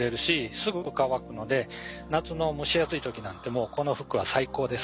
すぐ乾くので夏の蒸し暑い時なんてもうこの服は最高です。